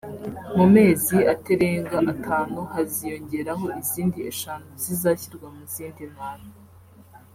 mu mezi aterenga atanu haziyongeraho izindi eshanu zizashyirwa mu zindi ntara